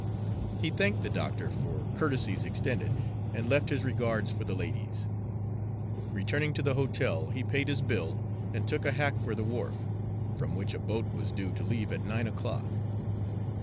He thanked the doctor for courtesies extended, and left his regards for the ladies. Returning to the hotel, he paid his bill and took a hack for the wharf, from which a boat was due to leave at nine o'clock.